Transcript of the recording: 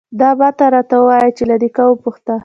_دا مه راته وايه چې له نيکه وپوښته.